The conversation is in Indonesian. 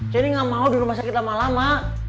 saya ini nggak mau di rumah sakit lama lama